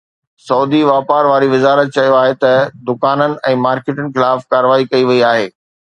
سعودي واپار واري وزارت چيو آهي ته دڪانن ۽ مارڪيٽن خلاف ڪارروائي ڪئي وئي آهي